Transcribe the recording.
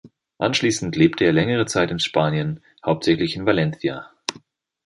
Anschließend lebte er längere Zeit in Spanien, hauptsächlich in Valencia.